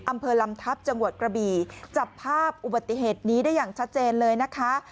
อำเภอลำทัพจังหวัดกระบี่จับภาพอุบัติเหตุนี้ได้อย่างชัดเจนเลยนะคะ